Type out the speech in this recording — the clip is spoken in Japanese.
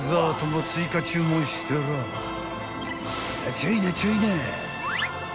［ちょいなちょいな］